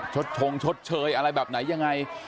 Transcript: ชงชดเชยอะไรแบบไหนยังไง